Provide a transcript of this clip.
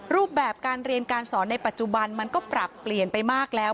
รูปแบบการเรียนการสอนในปัจจุบันมันก็ปรับเปลี่ยนไปมากแล้ว